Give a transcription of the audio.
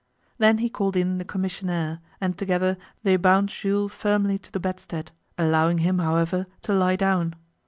Then he called in the commissionaire, and together they bound Jules firmly to the bedstead, allowing him, however, to lie down.